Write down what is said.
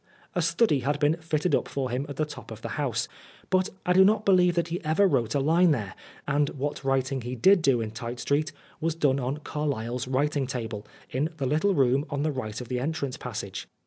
A study had been fitted up for him at the top of the house, but I do not believe that he ever wrote a line thers, and what writing he did do in Tite Street, was done on Carlyle's writing table, in the little room on the right of the entrance passage.